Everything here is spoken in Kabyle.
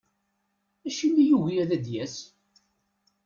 Acimi i yugi ad d-yas?